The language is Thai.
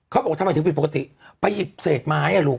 เขาบอกทำไมถึงผิดปกติไปหยิบเศษไม้อ่ะลูก